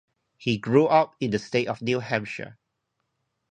He grew up in the state of New Hampshire.